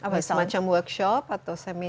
apa semacam workshop atau semi